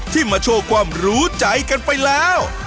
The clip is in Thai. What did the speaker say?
มาโชว์ความรู้ใจกันไปแล้ว